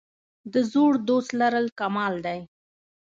د زوړ دوست لرل کمال دی.